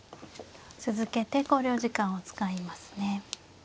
続けて考慮時間を使いますね。